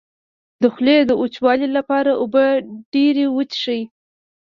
د خولې د وچوالي لپاره اوبه ډیرې وڅښئ